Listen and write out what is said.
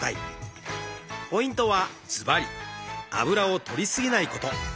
ポイントはずばりあぶらをとりすぎないこと。